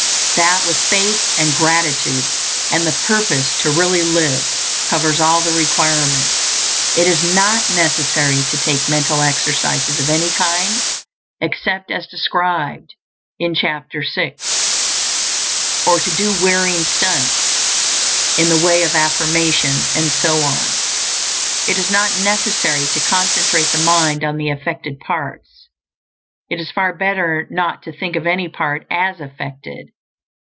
That, with faith and gratitude, and the purpose to really live, covers all the requirements. It is not necessary to take mental exercises of any kind, except as described in Chapter VI, or to do wearying "stunts" in the way of affirmations, and so on. It is not necessary to concentrate the mind on the affected parts; it is far better not to think of any part as affected.